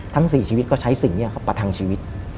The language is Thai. ทั้ง๔ชีวิตก็ใช้สิ่งนี้ประทังชีวิต